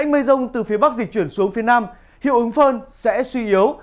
mưa rông từ phía bắc dịch chuyển xuống phía nam hiệu ứng phơn sẽ suy yếu